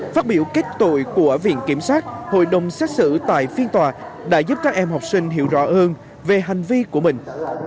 phát biểu kết tội của viện kiểm sát hội đồng xét xử tại phiên tòa đã giúp các em học sinh hiểu rõ hơn về hành vi của mình